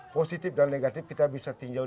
positif dan negatif kita bisa tinjau